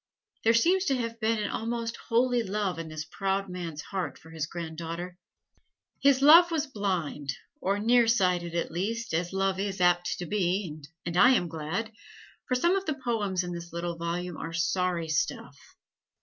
There seems to have been an almost holy love in this proud man's heart for his granddaughter. His love was blind, or near sighted at least, as love is apt to be (and I am glad!), for some of the poems in this little volume are sorry stuff.